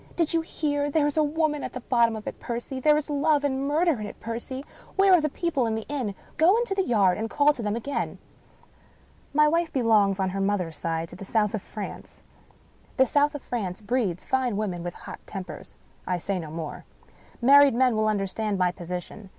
" Do you hear ? There is a woman at the bottom of it, Percy ! There is love and murder in it, Percy ! Where are the people of the inn? Go into the yard, and call to them again." My wife belongs, on her mother's side, to the South of France. The South of France breeds fine women with hot tempers. I say no more. Married men will understand my position.